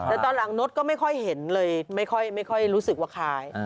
แต่ตอนหลังนดก็ไม่ค่อยเห็นเลยไม่ค่อยรู้สึกว่าคล้าย